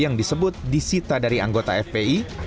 yang disebut disita dari anggota fpi